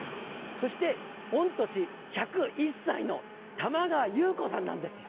そして御年１０１歳の玉川祐子さんなんですよ。